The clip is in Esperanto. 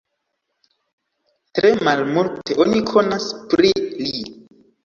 Tre malmulte oni konas pri li.